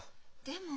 でも。